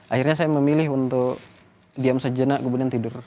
akhirnya saya memilih untuk diam sejenak kemudian tidur